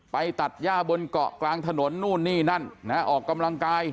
ตัดย่าบนเกาะกลางถนนนู่นนี่นั่นนะออกกำลังกาย